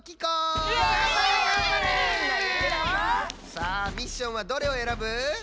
さあミッションはどれをえらぶ？